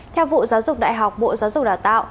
theo vụ giáo dục đại học bộ giáo dục đào tạo